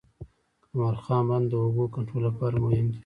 کمال خان بند د اوبو کنټرول لپاره مهم دی